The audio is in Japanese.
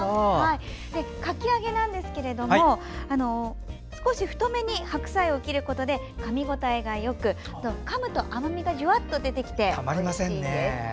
かき揚げですが、少し太めに白菜を切ることでかみ応えがよくかむと甘みがジュワッと出てきておいしいです。